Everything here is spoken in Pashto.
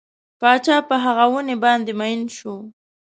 پاچا په هغه ونې باندې مین شو.